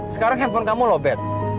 sekarang handphone kamu lowbat